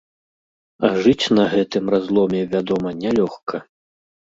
А жыць на гэтым разломе, вядома, нялёгка.